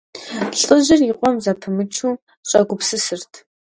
ЛӀыжьыр и къуэм зэпымычу щӀэгупсысырт.